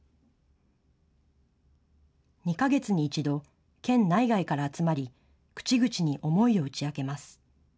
２か月に１度、県内外から集まり口々に思いを打ち明けます。